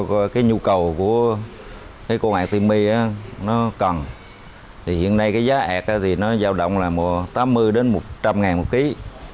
do nhu cầu của con artemia nó cần hiện nay giá artemia giao động là tám mươi một trăm linh ngàn một kg